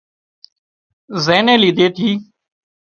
زين نين ليڌي ٿِي